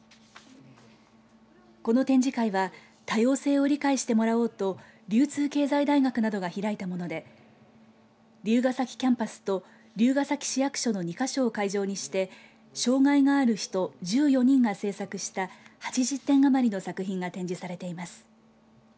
この展示会は多様性を理解してもらおうと流通経済大学などが開いたもので龍ケ崎キャンパスと龍ケ崎市役所の２か所を会場にして障害がある人１４人が制作した８０点余りの作品が展示されています。